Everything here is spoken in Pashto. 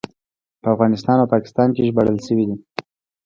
په افغانستان او پاکستان کې ژباړل شوی دی.